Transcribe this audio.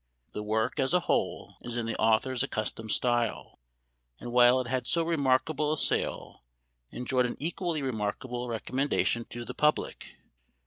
The work, as a whole, is in the author's accustomed style, and, while it had so remark able a sale, enjoyed an equally remarkable recommendation to the public.